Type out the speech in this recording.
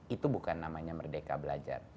itu bukan namanya merdeka belajar